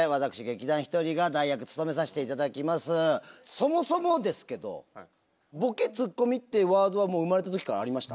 そもそもですけどボケツッコミってワードは生まれた時からありました？